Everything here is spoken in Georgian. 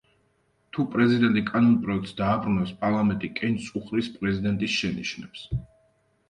თუ პრეზიდენტი კანონპროექტს დააბრუნებს, პარლამენტი კენჭს უყრის პრეზიდენტის შენიშვნებს.